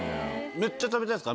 めっちゃ食べたいですか？